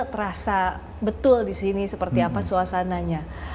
terasa betul disini seperti apa suasananya